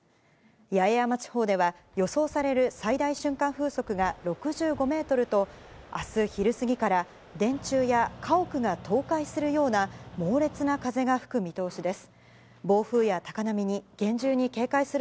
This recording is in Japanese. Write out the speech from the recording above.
八重山地方では、予想される最大瞬間風速が６５メートルと、あす昼過ぎから、電柱や家屋が倒壊するような猛烈な風が吹く見通しです。